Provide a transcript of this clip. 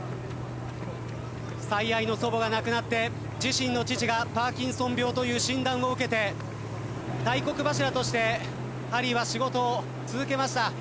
最愛の祖母が亡くなって自身の父がパーキンソン病という診断を受けて大黒柱としてハリーは仕事を続けました。